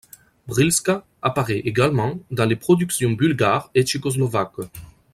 Brylska apparait également dans les productions bulgares et tchécoslovaques.